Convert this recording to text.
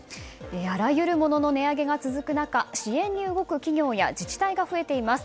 あらゆるものの値上げが続く中支援に動く企業や自治体が増えています。